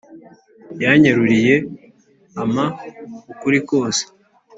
yanyeruriye ama ukuri kose